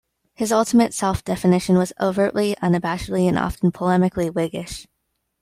His ultimate self-definition was overtly, unabashedly, and often polemically whiggish.